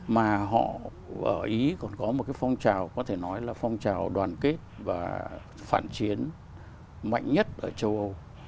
mà họ ở ý còn có một cái phong trào có thể nói là phong trào đoàn kết và phản chiến mạnh nhất ở châu âu